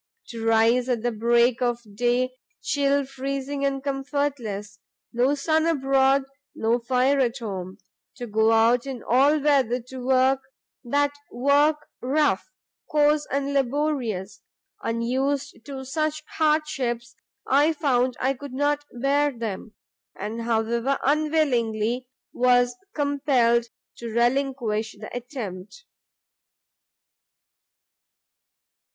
To rise at break of day, chill, freezing, and comfortless! no sun abroad, no fire at home! to go out in all weather to work, that work rough, coarse, and laborious! unused to such hardships, I found I could not bear them, and, however unwillingly, was compelled to relinquish the attempt."